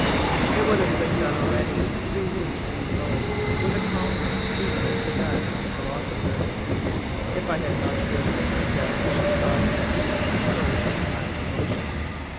" It would have been done already," resumed Kin Fo, with a calmness equal to that of the philosopher, " if I had not wished that my death should cause at least my first and last emotion.